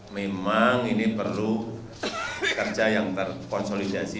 memang ini perlu kerja yang terkonsolidasi